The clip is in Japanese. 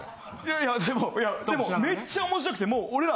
いやでもめっちゃ面白くてもう俺ら。